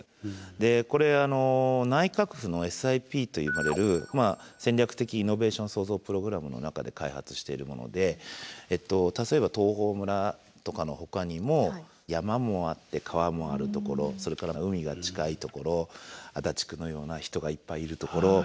これ内閣府のＳＩＰと呼ばれる戦略的イノベーション創造プログラムの中で開発しているもので例えば東峰村とかのほかにも山もあって川もあるところそれから海が近いところ足立区のような人がいっぱいいるところ。